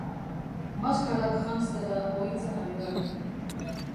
Maskarak janztera ohitzen ari gara.